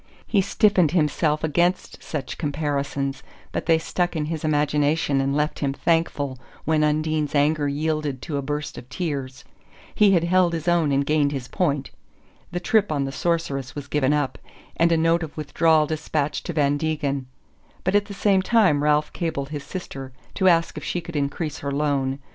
He stiffened himself against such comparisons, but they stuck in his imagination and left him thankful when Undine's anger yielded to a burst of tears. He had held his own and gained his point. The trip on the Sorceress was given up, and a note of withdrawal despatched to Van Degen; but at the same time Ralph cabled his sister to ask if she could increase her loan.